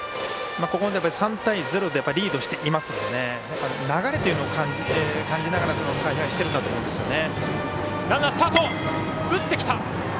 ３対０でリードしていますので流れっていうのを感じながら采配をしてるんだと思いますよね。